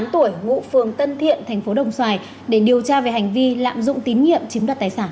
hai mươi tám tuổi ngũ phường tân thiện tp đồng xoài để điều tra về hành vi lạm dụng tín nhiệm chiếm đặt tài sản